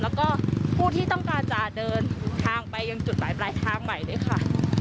แล้วก็ผู้ที่ต้องการจะเดินทางไปยังจุดหมายปลายทางใหม่ด้วยค่ะ